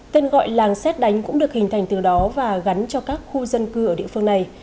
tên gọi làng xét đánh cũng được hình thành từ đó và gắn cho các khu dân cư ở địa phương này